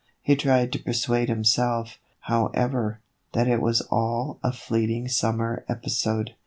He tried to persuade himself, however, that it was all a fleeting summer episode.